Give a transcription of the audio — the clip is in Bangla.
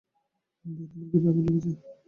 বে, তোমার কেপে আগুন লেগেছে।